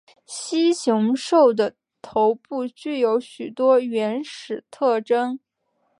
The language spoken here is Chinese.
蜥熊兽的头部具有许多原始特征。